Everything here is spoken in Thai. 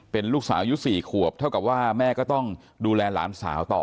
เป็นลูกสาวอายุ๔ขวบเท่ากับว่าแม่ก็ต้องดูแลหลานสาวต่อ